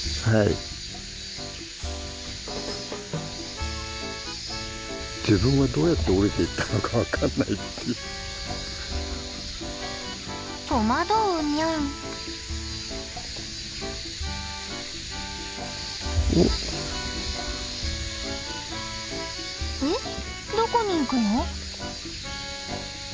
えっどこに行くの？